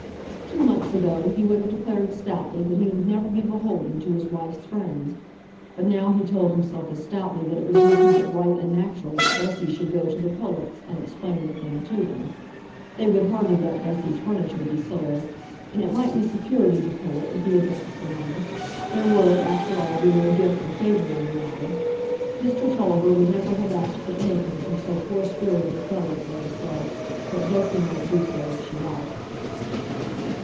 Two months ago he would have declared stoutly that he would never be beholden to his wife's friends; but now he told himself as stoutly that it was nothing but right and natural that Bessy should go to the Pullets and explain the thing to them; they would hardly let Bessy's furniture be sold, and it might be security to Pullet if he advanced the money,—there would, after all, be no gift or favour in the matter. Mr Tulliver would never have asked for anything from so poor spirited a fellow for himself, but Bessy might do so if she liked.